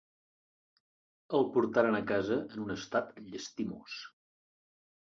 El portaren a casa en un estat llastimós.